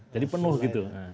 jadi penuh gitu